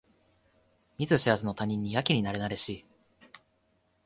見ず知らずの他人にやけになれなれしい